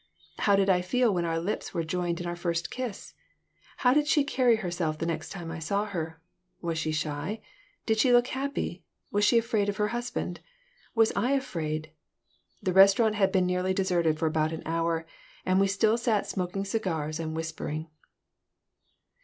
How did I feel when our lips were joined in our first kiss? How did she carry herself the next time I saw her? Was she shy? Did she look happy? Was she afraid of her husband? Was I afraid? The restaurant had been nearly deserted for about an hour, and we still sat smoking cigars and whispering.